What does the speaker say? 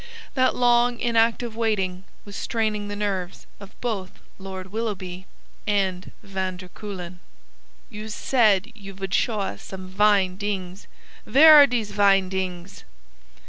That long, inactive waiting was straining the nerves of both Lord Willoughby and van der Kuylen. "You said you vould show us zome vine dings. Vhere are dese vine dings?"